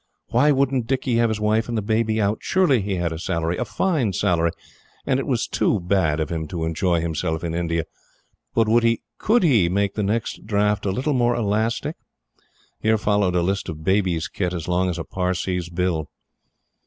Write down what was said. "Why wouldn't Dicky have his wife and the baby out? Surely he had a salary a fine salary and it was too bad of him to enjoy himself in India. But would he could he make the next draft a little more elastic?" Here followed a list of baby's kit, as long as a Parsee's bill.